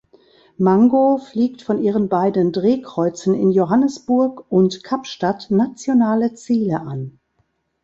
Mango fliegt von ihren beiden Drehkreuzen in Johannesburg und Kapstadt nationale Ziele an.